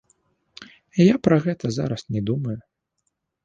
Я пра гэта зараз не думаю.